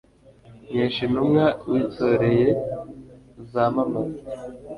nkesha intumwa witoreye, zamamaza